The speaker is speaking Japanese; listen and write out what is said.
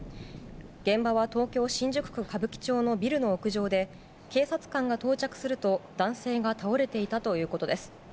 現場は東京・新宿区歌舞伎町のビルの屋上で警察官が到着すると男性が倒れていたということです。